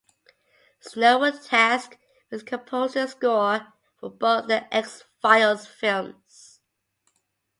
Snow was tasked with composing the score for both "The X-Files" films.